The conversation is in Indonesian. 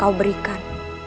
baik baik baik